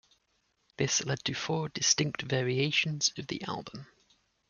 This led to four distinct variations of the album.